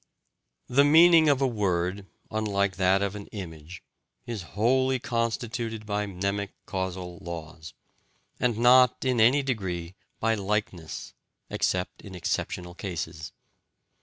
The meaning of a word, unlike that of an image, is wholly constituted by mnemic causal laws, and not in any degree by likeness (except in exceptional cases).